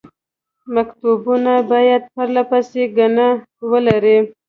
مکتوبونه باید پرله پسې ګڼه ولري.